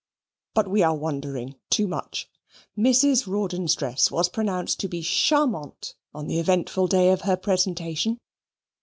But we are wandering too much. Mrs. Rawdon's dress was pronounced to be charmante on the eventful day of her presentation.